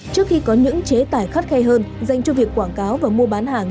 trước khi có những chế tải khắt khe hơn dành cho việc quảng cáo và mua bán hàng